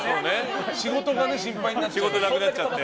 仕事が心配になっちゃって。